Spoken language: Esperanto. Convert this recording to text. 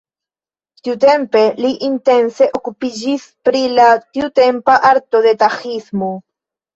Tiutempe li intense okupiĝis pri la tiutempa arto de taĥismo.